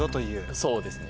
そうですね。